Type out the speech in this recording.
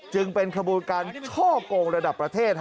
จึงเป็นขบวนการช่อกงระดับประเทศ